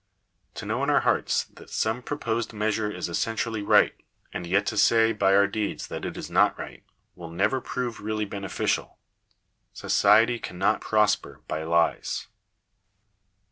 To know in our hearts that some proposed measure is essentially right, and yet to say by our deeds that it is not right, will never prove really beneficial. Society cannot prosper by lies.